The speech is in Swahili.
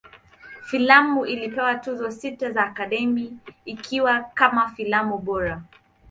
Filamu ilipewa Tuzo sita za Academy, ikiwa kama filamu bora.